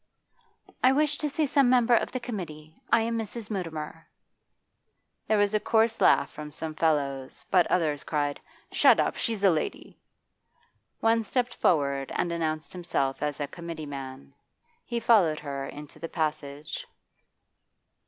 'I wish to see some member of the committee. I am Mrs. Mutimer.' There was a coarse laugh from some fellows, but others cried, 'Shut up! she's a lady.' One stepped forward and announced himself as a committee man. He followed her into the passage.